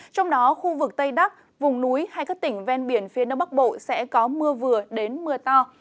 trong đó khu vực tây đắc vùng núi hay các tỉnh ven biển phía đông bắc bộ sẽ có mưa vừa đến mưa to